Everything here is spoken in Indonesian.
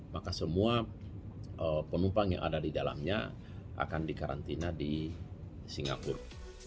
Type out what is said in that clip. maka semua penumpang yang ada di dalamnya akan dikarantina di singapura